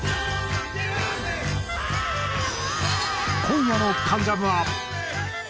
今夜の『関ジャム』は。